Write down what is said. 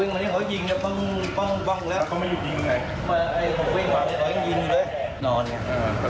วิ่งมานี่ขอก็ยิงละปรงแล้ว